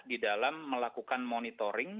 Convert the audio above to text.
di dalam melakukan monitoring